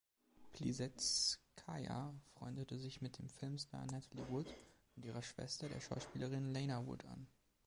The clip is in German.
Plisetskaya freundete sich mit dem Filmstar Natalie Wood und ihrer Schwester, der Schauspielerin Lana Wood, an.